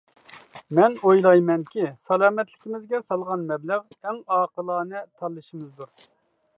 مەن ئويلايمەنكى، سالامەتلىكىمىزگە سالغان مەبلەغ ئەڭ ئاقىلانە تاللىشىمىزدۇر.